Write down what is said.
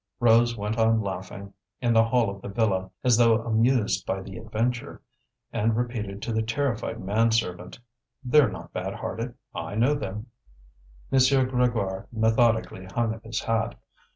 Rose went on laughing, in the hall of the villa, as though amused by the adventure, and repeated to the terrified man servant: "They're not bad hearted; I know them." M. Grégoire methodically hung up his hat.